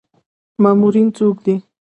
مامورین څوک دي؟